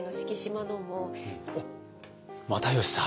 あっ又吉さん！